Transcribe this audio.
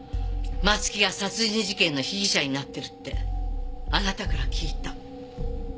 松木が殺人事件の被疑者になってるってあなたから聞いた。